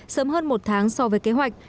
sớm hơn một tháng so với kế hoạch